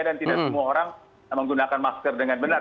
dan tidak semua orang menggunakan masker dengan benar